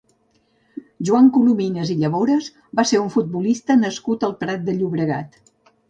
Joan Colominas i Llavores va ser un futbolista nascut al Prat de Llobregat.